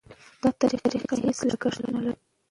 دا طریقه هېڅ لګښت نه لري.